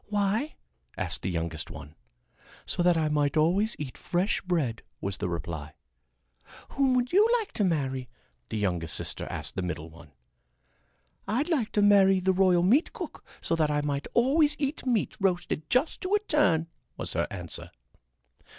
"Why?" asked the youngest one. "So that I might always eat fresh bread," was the reply. "Whom would you like to marry?" the youngest sister asked the middle one. "I'd like to marry the royal meat cook so that I might always eat meat roasted just to a turn," was her answer.